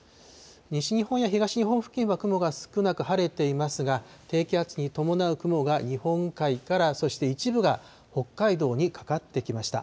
西日本や東日本付近は雲が少なく晴れていますが、低気圧に伴う雲が日本海からそして一部が北海道にかかってきました。